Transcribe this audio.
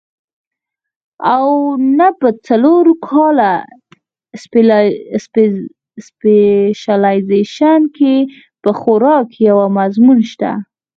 او نۀ پۀ څلور کاله سپېشلائزېشن کښې پۀ خوراک يو مضمون شته